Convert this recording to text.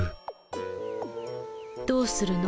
どうするの？